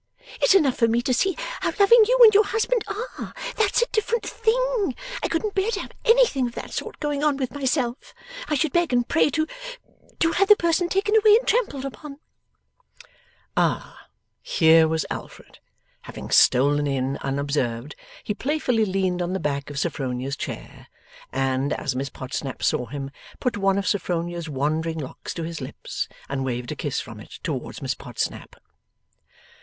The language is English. It's enough for me to see how loving you and your husband are. That's a different thing. I couldn't bear to have anything of that sort going on with myself. I should beg and pray to to have the person taken away and trampled upon.' Ah! here was Alfred. Having stolen in unobserved, he playfully leaned on the back of Sophronia's chair, and, as Miss Podsnap saw him, put one of Sophronia's wandering locks to his lips, and waved a kiss from it towards Miss Podsnap.